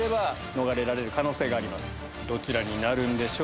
どちらになるんでしょうか。